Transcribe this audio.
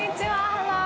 ハロー。